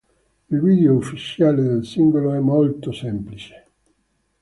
Il video ufficiale del singolo è molto semplice.